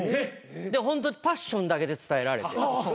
でホントパッションだけで伝えられて。